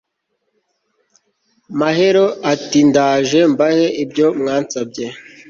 mahero ati ndaje mbahe ibyo mwansabye